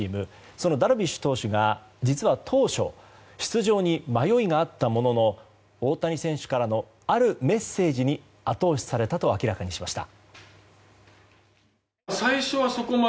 そのダルビッシュ投手が実は当初出場に迷いがあったものの大谷選手からのあるメッセージに後押しされたと明らかにしました。